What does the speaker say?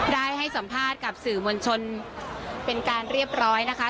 ได้ให้สัมภาษณ์กับสื่อมวลชนเป็นการเรียบร้อยนะคะ